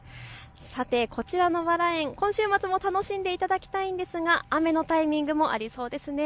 こちらのバラ園、今週末も楽しんでいただきたいんですが雨のタイミングもありそうですね。